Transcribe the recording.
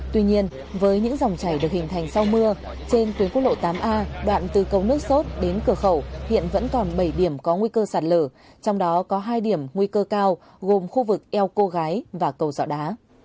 tuy nhiên với những dòng chảy được hình thành sau mưa trên tuyến quốc lộ tám a đoạn từ cầu nước sốt đến cửa khẩu hiện vẫn còn bảy điểm có nguy cơ sạt lở trong đó có hai điểm nguy cơ cao gồm khu vực eo cô gái và cầu dọ đá